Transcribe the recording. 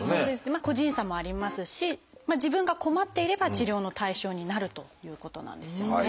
個人差もありますし自分が困っていれば治療の対象になるということなんですよね。